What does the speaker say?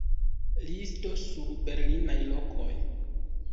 Listo sub Berlinaj lokoj.